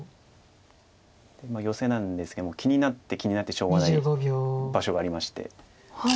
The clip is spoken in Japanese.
ヨセなんですけども気になって気になってしょうがない場所がありまして。